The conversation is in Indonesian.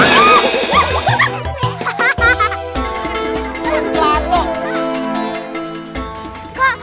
enggak boleh gitu diajarin